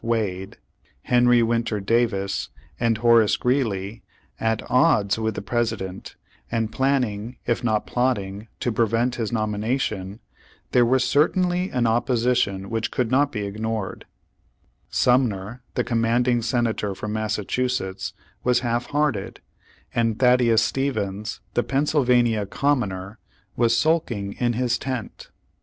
Wade, Henry Winter Davis, and Horace Greeley, at odds with the President, and planning if not plotting to prevent his nomination, there was certainly an opposition which could not be ignored. Sumner, the com manding Senator from Massachusetts, was half Page One Hundred thirty four Page One Ilundred thirty five hearted, and Thaddeus Stevens, the Pennsylvania "Commoner," was sulking in his tent.